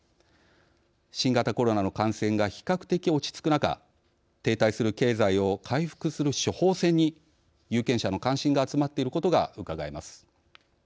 新型コロナの感染が比較的、落ち着く中停滞する経済を回復する処方箋に有権者の関心が集まっていることがうかがえます。